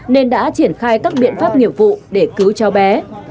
nên đã triển khai các biện pháp nghiệp vụ để cứu cháu bé